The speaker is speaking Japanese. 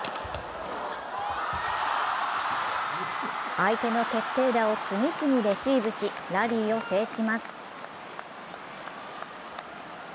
相手の決定打を次々レシーブしラリーを制します。